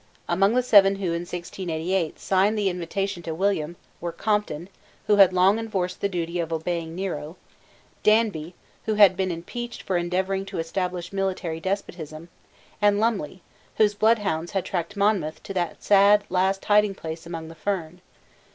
Among the seven who, in 1688, signed the invitation to William, were Compton, who had long enforced the duty of obeying Nero; Danby, who had been impeached for endeavouring to establish military despotism; and Lumley, whose bloodhounds had tracked Monmouth to that sad last hiding place among the fern.